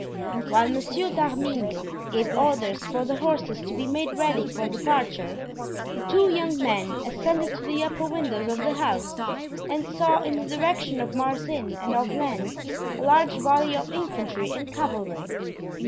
While Monsieur d'Arminges gave orders for the horses to be made ready for departure, the two young men ascended to the upper windows of the house and saw in the direction of Marsin and of Lens a large body of infantry and cavalry.